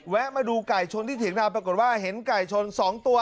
มาดูไก่ชนที่เถียงนาปรากฏว่าเห็นไก่ชน๒ตัว